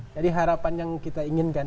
jadi harapan yang kita inginkan